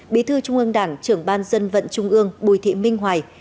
bí thư trung ương đảng trưởng ban dân vận trung ương bùi thị minh hoài